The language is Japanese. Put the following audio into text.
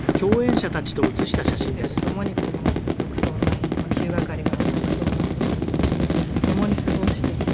皆さんそれぞれ人生と共にこの『特捜９』『９係』から『特捜９』っていうのを共に過ごしてきた。